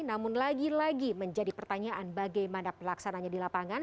namun lagi lagi menjadi pertanyaan bagaimana pelaksananya di lapangan